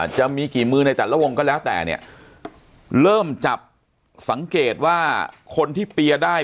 จะมีกี่มือในแต่ละวงก็แล้วแต่เนี่ยเริ่มจับสังเกตว่าคนที่เปียร์ได้